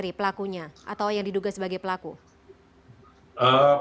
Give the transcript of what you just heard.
apakah pelaku pelaku ini sudah diidentifikasi